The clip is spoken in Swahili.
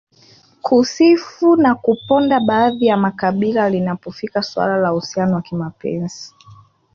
kusifu na kuponda baadhi ya makabila linapofika suala la uhusiano wa kimapenzi